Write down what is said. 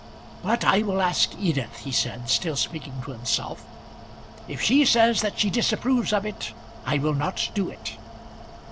"But I will ask Edith," he said, still speaking to himself. "If she says that she disapproves of it, I will not do it."